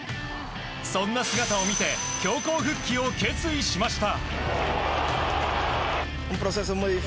そんな姿を見て強行復帰を決意しました。